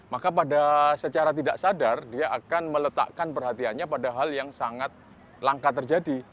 maka pada secara tidak sadar dia akan meletakkan perhatiannya pada hal yang sangat langka terjadi